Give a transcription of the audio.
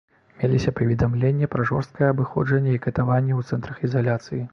Меліся паведамленні пра жорсткае абыходжанне і катаванні ў цэнтрах ізаляцыі.